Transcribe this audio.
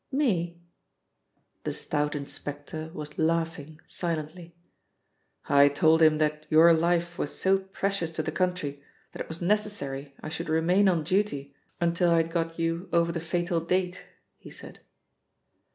"Me?" The stout inspector was laughing silently. "I told him that your life was so precious to the country that it was necessary I should remain on duty until I had got you over the fatal date," he said.